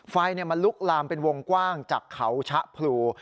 ไฟมันลุกลามเป็นวงกว้างจากเขาชะพลู